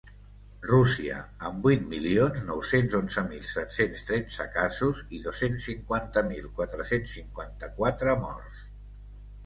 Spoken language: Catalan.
Rússia, amb vuit milions nou-cents onze mil set-cents tretze casos i dos-cents cinquanta mil quatre-cents cinquanta-quatre morts.